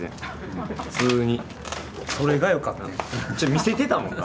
見せてたもんな。